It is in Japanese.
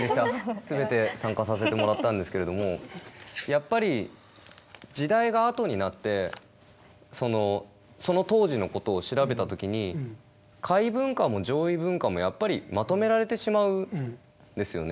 全て参加させてもらったんですけれどもやっぱり時代が後になってその当時の事を調べた時に下位文化も上位文化もまとめられてしまうんですよね。